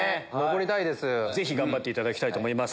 ぜひ頑張っていただきたいです。